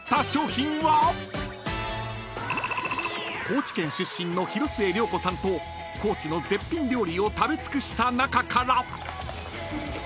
［高知県出身の広末涼子さんと高知の絶品料理を食べ尽くした中から］